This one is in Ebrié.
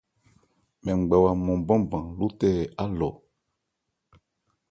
Mɛn ngbawa mɔn banban, lótɛ á lɔ.